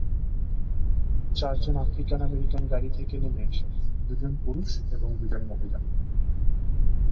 চার জন African American গাড়ি থেকে নেমে আসেন, দুজন পুরুষ এবং দুজন মহিলা।